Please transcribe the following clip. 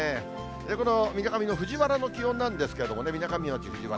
このみなかみの藤原の気温なんですけれどもね、みなかみの藤原。